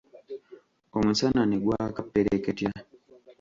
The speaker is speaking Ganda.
Omusana ne gwaka ppereketya.